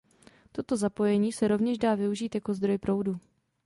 Toto zapojení se rovněž dá využít jako zdroj proudu.